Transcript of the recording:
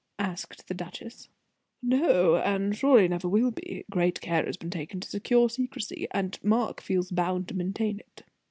asked the duchess. "No; and surely never will be. Great care has been taken to secure secrecy, and Mark feels bound to maintain it."